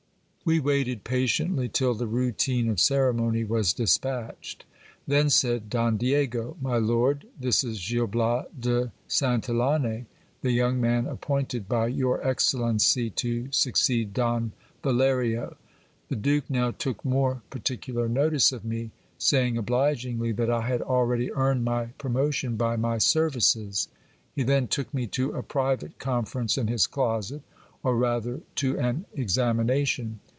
We waited patiently till the routine of ceremony was despatched. Then said Don Diego : My lord, this is Gil Bias de Santillane, the young man appointed by your excellency to succeed Don Valerio. The duke now took more particu lar notice of me, saying obligingly, that I had already earned my promotion by my services. He then took me to a private conference in his closet, or rather to an examination.